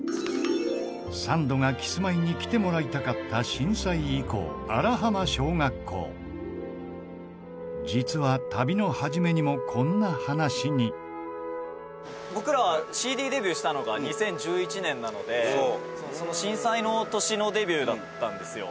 サンドがキスマイに来てもらいたかった震災遺構、荒浜小学校実は、旅の始めにもこんな話に僕らはＣＤデビューしたのが２０１１年なので震災の年のデビューだったんですよ。